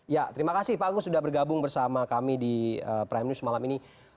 ya terima kasih pak agus sudah bergabung bersama kami di prime news malam ini